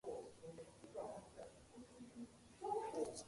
Whoever will break it to the poor child?